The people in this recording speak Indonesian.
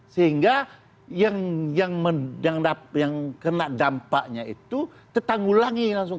sehingga yang kena dampaknya itu tertanggulangi langsung